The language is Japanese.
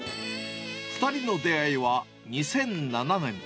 ２人の出会いは、２００７年。